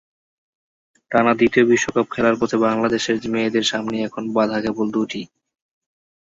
টানা দ্বিতীয় বিশ্বকাপ খেলার পথে বাংলাদেশের মেয়েদের সামনে এখন বাধা কেবল দুটি।